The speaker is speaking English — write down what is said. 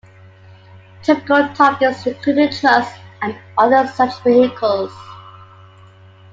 Typical targets included trucks and other such vehicles.